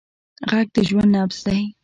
غږ د ژوند نبض دی